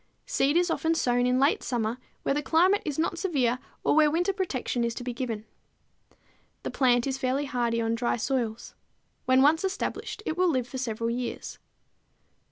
Seed is often sown in late summer where the climate is not severe or where winter protection is to be given. The plant is fairly hardy on dry soils. When once established it will live for several years.